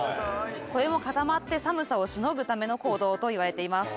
これも固まって寒さをしのぐための行動といわれています。